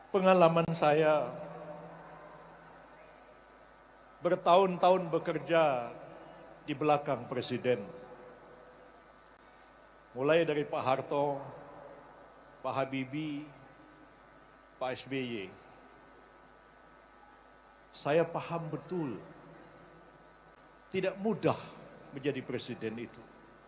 pengalaman saya bertahun tahun bekerja di belakang presiden mulai dari pak harto pak habibie pak sby saya paham betul tidak mudah menjadi presiden itu